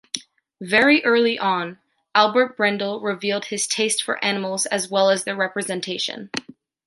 Very early on, Albert Brendel revealed his taste for animals as well as their representation.